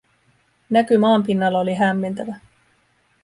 Näky maanpinnalla oli hämmentävä.